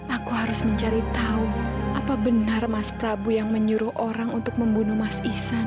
aku harus mencari tahu apa benar mas prabu yang menyuruh orang untuk membunuh mas ihsan